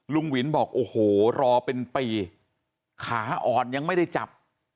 หวินบอกโอ้โหรอเป็นปีขาอ่อนยังไม่ได้จับ